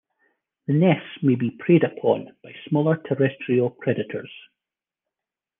The nests may be preyed upon by smaller terrestrial predators.